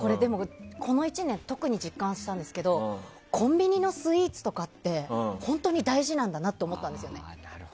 この１年で特に実感したんですけどコンビニのスイーツとかって本当に大事なんだなって思ったんですよ。